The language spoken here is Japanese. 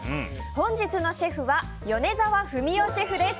本日のシェフは米澤文雄シェフです。